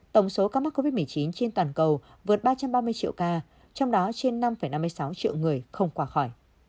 tổng số ca mắc covid một mươi chín trên toàn cầu vượt ba trăm ba mươi triệu ca trong đó trên năm năm mươi sáu triệu người không qua khỏi